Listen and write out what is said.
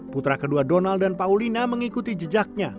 putra kedua donald dan paulina mengikuti jejaknya